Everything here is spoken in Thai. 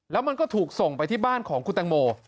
แล้วมันก็ถูกส่งไปที่บ้านของคุณตังโม